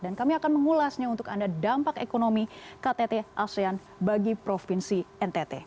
dan kami akan mengulasnya untuk anda dampak ekonomi ktt asean bagi provinsi ntt